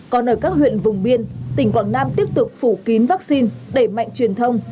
còn ở các huyện vùng biên tỉnh quảng nam tiếp tục phủ kín vaccine đẩy mạnh truyền thông